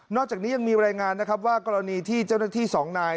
อกจากนี้ยังมีรายงานนะครับว่ากรณีที่เจ้าหน้าที่สองนาย